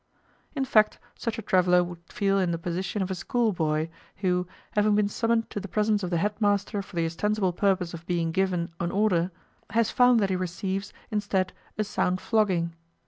In fact, such a traveller would feel in the position of a schoolboy who, having been summoned to the presence of the headmaster for the ostensible purpose of being given an order, has found that he receives, instead, a sound flogging.